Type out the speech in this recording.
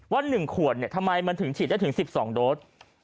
ว่า๑ขวดทำไมมันถึงฉีดได้ถึง๑๒โดส